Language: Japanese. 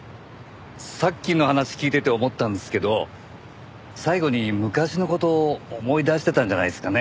さっきの話聞いてて思ったんですけど最期に昔の事を思い出してたんじゃないですかね。